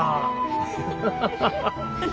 ハハハハハ。